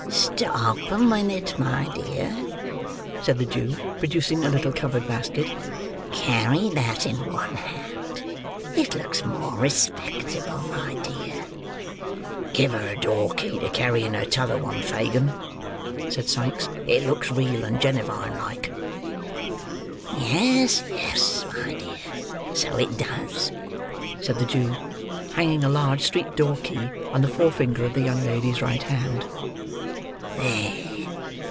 "Stop a minute, my dear," said the Jew, producing, a little covered basket. "Carry that in one hand. It looks more respectable, my dear." "Give her a door key to carry in her t'other one, Fagin," said Sikes; "it looks real and genivine like." "Yes, yes, my dear, so it does," said the Jew, hanging a large street door key on the forefinger of the young lady's right hand.